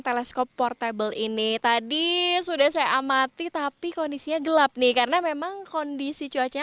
teleskop portable ini tadi sudah saya amati tapi kondisinya gelap nih karena memang kondisi cuaca